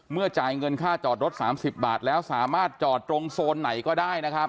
จ่ายเงินค่าจอดรถ๓๐บาทแล้วสามารถจอดตรงโซนไหนก็ได้นะครับ